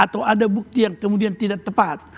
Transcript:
atau ada bukti yang kemudian tidak tepat